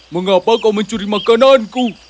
mengapa kau mencuri makananku